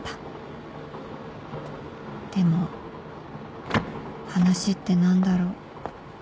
でも話って何だろう